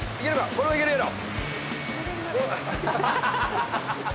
これはいけるやろ。